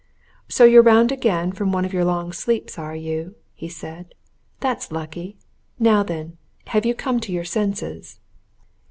"So you're round again after one of your long sleeps, are you?" he said. "That's lucky! Now then, have you come to your senses?"